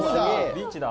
ビーチだ。